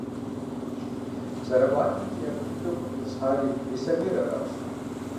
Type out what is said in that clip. ЗэраӀуатэмкӀэ, япэ дыдэу мыбы къитӀысхьари Ислъэмейр аращ.